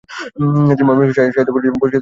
তিনি ময়মনসিংহ সাহিত্য পরিষদ প্রতিষ্ঠা করেন।